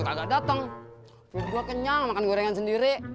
nggak dateng buat gua kenyang makan gorengan sendiri